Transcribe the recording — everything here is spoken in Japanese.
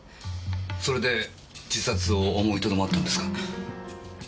それで自殺を思い止まったんですか？